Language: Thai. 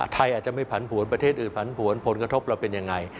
อาจจะไม่ผันผวนประเทศอื่นผันผวนผลกระทบเราเป็นยังไง